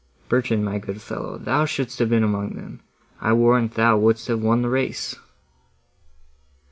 Bertrand, my good fellow, thou shouldst have been among them; I warrant thou wouldst have won the race!"